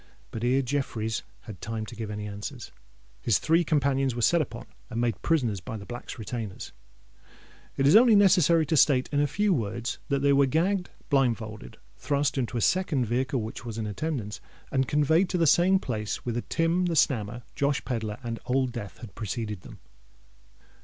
But ere Jeffreys had time to give any answer, his three companions were set upon and made prisoners by the Black's retainers. It is only necessary to state, in a few words, that they were gagged, blindfolded, thrust into a second vehicle which was in attendance, and conveyed to the same place whither Tim the Snammer, Josh Pedler, and Old Death had preceded them.